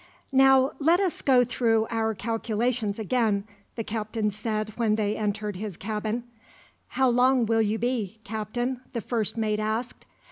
"Now, let us go through our calculations again," the captain said when they entered his cabin. "How long will you be, Captain?" the first mate asked.